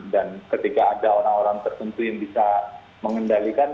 dan ketika ada orang orang tertentu yang bisa mengendalikan